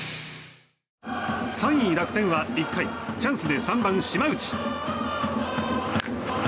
３位、楽天は１回チャンスで３番、島内。